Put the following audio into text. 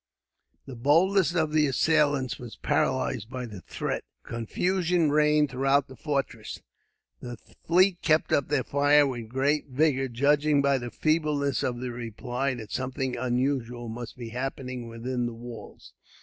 The boldest of the assailants were paralysed by the threat. Confusion reigned throughout the fortress. The fleet kept up their fire with great vigour; judging, by the feebleness of the reply, that something unusual must be happening within the walls.